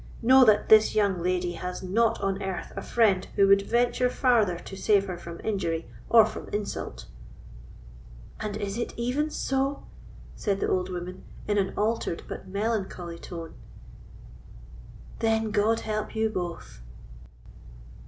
Know that this young lady has not on earth a friend who would venture farther to save her from injury or from insult." "And is it even so?" said the old woman, in an altered but melancholy tone, "then God help you both!"